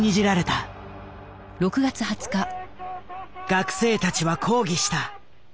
学生たちは抗議した。